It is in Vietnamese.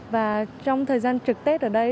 và trong thời gian trực tết ở đây